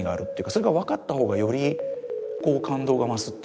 それが分かった方がより感動が増すっていうか